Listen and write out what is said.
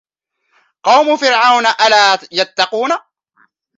قَوْمَ فِرْعَوْنَ أَلَا يَتَّقُونَ